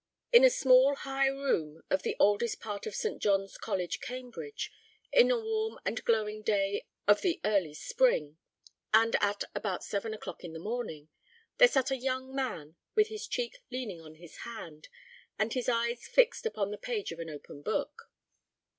In a small high room of the oldest part of St. John's College, Cambridge, in a warm and glowing day of the early spring, and at about seven o'clock in the morning, there sat a young man with his cheek leaning on his hand, and his eyes fixed upon the page of an open book.